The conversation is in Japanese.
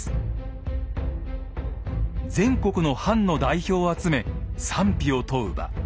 全国の藩の代表を集め賛否を問う場。